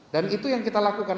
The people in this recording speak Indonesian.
dan itu yang kita lakukan